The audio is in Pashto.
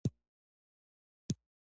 چاپ کولو اراده ئې هم لرله